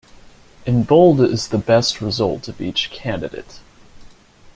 In bold is the best result of each candidate.